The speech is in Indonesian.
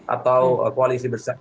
atau koalisi besar